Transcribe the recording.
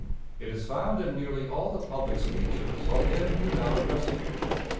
It is found in nearly all the public speeches of him who now addresses you.